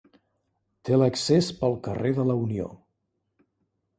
Té l'accés pel carrer de la Unió.